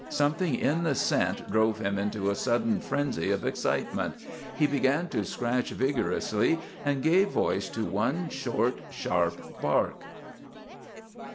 Something in the scent drove him into a sudden frenzy of excitement. He began to scratch vigorously and gave voice to one short, sharp bark.